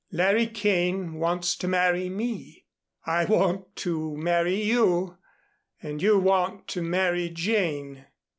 "Larry Kane wants to marry me, I want to marry you, and you want to marry Jane.